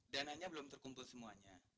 dananya belum terkumpul semuanya